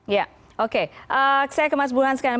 ya oke saya kemas buruhan sekarang